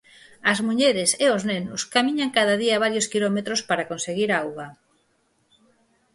As mulleres e os nenos camiñan cada día varios quilómetros para conseguir auga.